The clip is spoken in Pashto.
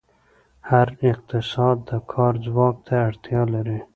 هر اقتصاد د کار ځواک ته اړتیا لري.